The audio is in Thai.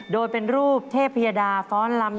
โดยเป็นรูปเทพยดาฟ้อนลำ